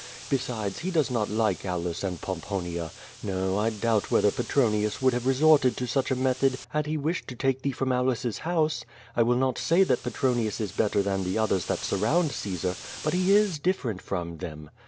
Besides, he does not like Aulus and Pom ponia. No, I doubt whether Petronius would have resorted to such a method had he wished to take thee from Aulus's house. I will not say that Petronius is better than the others that surround Caesar, but he is different from them.